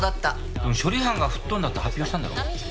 でも処理班が吹っ飛んだって発表したんだろ？